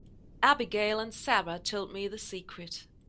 Abigail and Sara told me the secret.